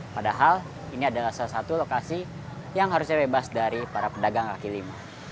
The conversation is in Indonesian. padahal ini adalah salah satu lokasi yang harusnya bebas dari para pedagang kaki lima